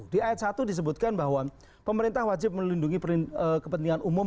di ayat satu disebutkan bahwa pemerintah wajib melindungi kepentingan umum